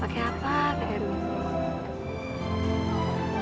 apa yang akan pak erwin makan